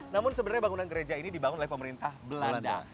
namun sebenarnya bangunan gereja ini dibangun oleh pemerintah belanda